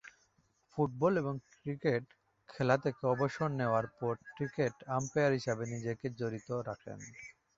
Football ও cricket খেলা থেকে অবসর নেয়ার পর ক্রিকেট আম্পায়ার হিসেবে নিজেকে জড়িত রাখেন।